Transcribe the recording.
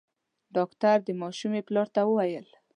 ډاکټر د ماشومي پلار ته وويل :